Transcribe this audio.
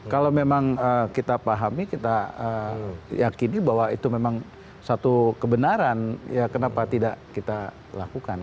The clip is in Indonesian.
kalau memang kita pahami kita yakini bahwa itu memang satu kebenaran ya kenapa tidak kita lakukan